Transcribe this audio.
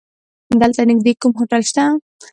دلته نيږدې کوم هوټل شته؟